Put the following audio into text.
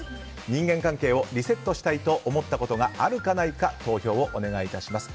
人間関係をリセットしたいと思ったことがあるか、ないか投票をお願いします。